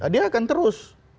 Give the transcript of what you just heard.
dia akan terus